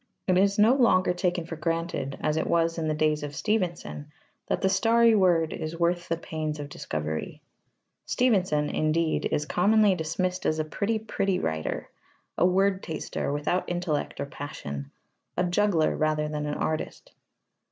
It is no longer taken for granted, as it was in the days of Stevenson, that the starry word is worth the pains of discovery. Stevenson, indeed, is commonly dismissed as a pretty pretty writer, a word taster without intellect or passion, a juggler rather than an artist.